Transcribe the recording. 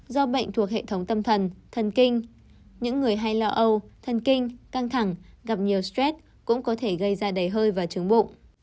do bệnh thuộc hệ thống tâm thần thân kinh những người hay lo âu thần kinh căng thẳng gặp nhiều stress cũng có thể gây ra đầy hơi và chóng bụng